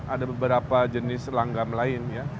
ada beberapa jenis langgam lain ya